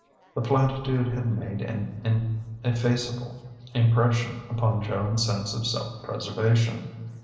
The platitude had made an ineffaceable impression upon Joan's sense of self preservation.